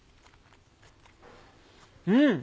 うん！